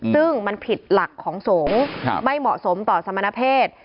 ซึ่งมันผิดหลักของสงฆ์ไม่เหมาะสมต่อสมณเพศ